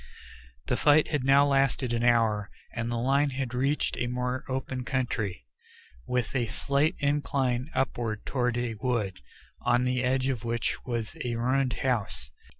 The fight had now lasted an hour, and the line had reached a more open country, with a slight incline upward toward a wood, on the edge of which was a ruined house.